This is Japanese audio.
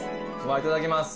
いただきます。